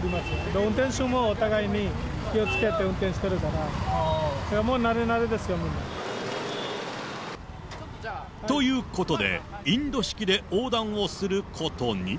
どの運転手もお互いに気をつけて運転してるから、もう慣れ慣れですよ、ということで、インド式で横断をすることに。